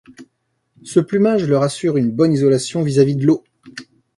Ce plumage leur assure une bonne isolation vis-à-vis de l'eau.